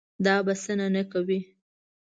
دا بسنه نه کوي.